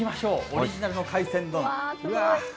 オリジナルの海鮮丼。